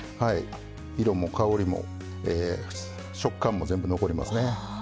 色も香りも食感も全部残りますね。